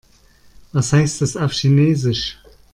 Was heißt das auf Chinesisch?